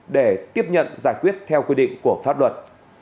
để tiếp nhận giải quyết theo quy định của pháp luật